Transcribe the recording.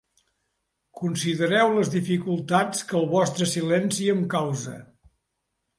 Considereu les dificultats que el vostre silenci em causa».